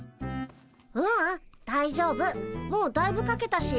ううん大丈夫もうだいぶかけたし。